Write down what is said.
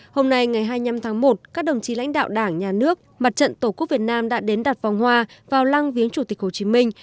hôm nay ngày hai mươi năm tháng một các đồng chí lãnh đạo đảng nhà nước mặt trận tổ quốc việt nam đã đến đặt vòng hoa vào lăng viếng chủ tịch hồ chí minh